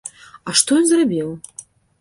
А што ён зрабіў?